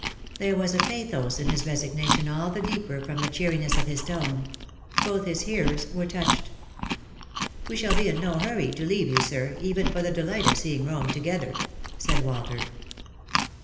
There was a pathos in his resignation all the deeper from the cheeriness of his tone. Both his hearers were touched. " We shall be in no hurry to leave you, sir, even for the delight of seeing Rome together," said Walter.